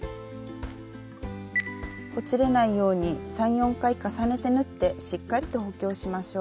ほつれないように３４回重ねて縫ってしっかりと補強しましょう。